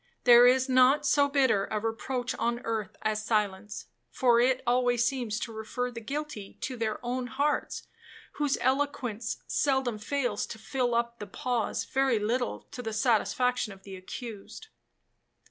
There is not so bitter a reproach on earth as silence, for it always seems to refer the guilty to their own hearts, whose eloquence seldom fails to fill up the pause very little to the satisfaction of the accused.